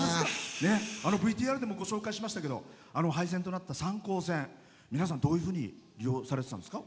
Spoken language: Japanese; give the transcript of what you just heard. ＶＴＲでもご紹介しましたけど廃線となった三江線皆さん、どういうふうに利用されてたんですか？